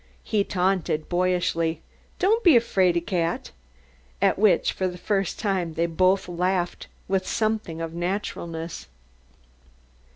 He taunted boyishly, "Don't be a 'fraidy cat,'" at which for the first time they both laughed with something of naturalness.